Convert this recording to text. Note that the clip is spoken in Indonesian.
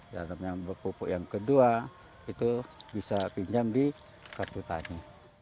tanam yang kedua itu bisa pinjam di kartu tani